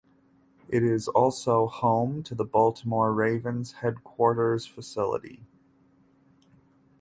It is also home to the Baltimore Ravens' headquarters facility.